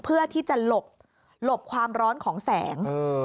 เพื่อที่จะหลบความร้อนของแสง